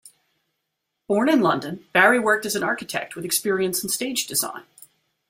Born in London, Barry worked as an architect with experience in stage design.